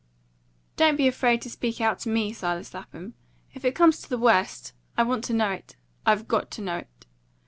"Don't be afraid to speak out to me, Silas Lapham. If it comes to the worst, I want to know it I've got to know it.